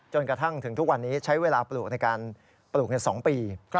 จนกระทั่งถึงทุกวันนี้ใช้เวลาปลูกในการปลูก๒ปี